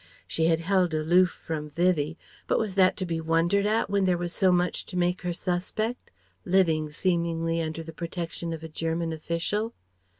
She had held aloof from Vivie, but was that to be wondered at when there was so much to make her suspect living, seemingly, under the protection of a German official?